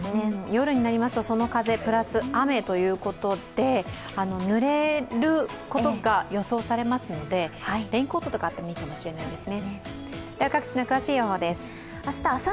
夜になりますと、その風プラス雨ということでぬれることが予想されますのでレインコートとかあってもいいかもしれないですね。